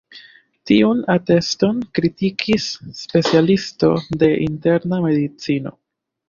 Tiun ateston kritikis specialisto de interna medicino.